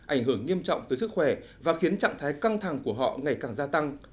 ảnh hưởng nghiêm trọng tới sức khỏe và khiến trạng thái căng thẳng của họ ngày càng rãi